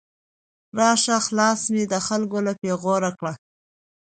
راشه خلاصه مې د خلګو له پیغور کړه